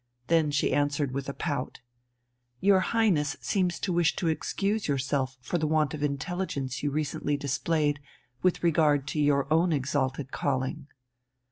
Then she answered with a pout: "Your Highness seems to wish to excuse yourself for the want of intelligence you recently displayed with regard to your own exalted calling."